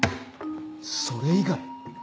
それ以外？